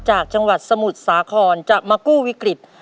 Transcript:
จากจังหวัดสมุทรสาครจะมากู้วิกฤต